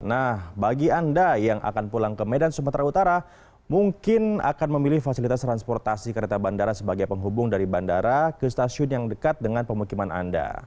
nah bagi anda yang akan pulang ke medan sumatera utara mungkin akan memilih fasilitas transportasi kereta bandara sebagai penghubung dari bandara ke stasiun yang dekat dengan pemukiman anda